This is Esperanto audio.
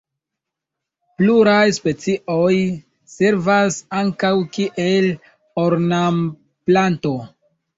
Pluraj specioj servas ankaŭ kiel ornamplanto.